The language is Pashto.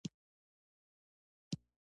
هلته یوه دوستانه او صمیمي فضا خپره وه